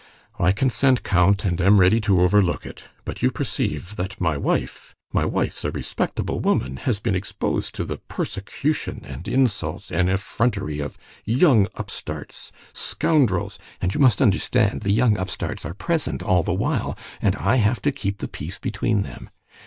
'I consent, count, and am ready to overlook it; but you perceive that my wife—my wife's a respectable woman—has been exposed to the persecution, and insults, and effrontery of young upstarts, scoundrels....' And you must understand, the young upstarts are present all the while, and I have to keep the peace between them.